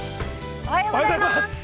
◆おはようございます。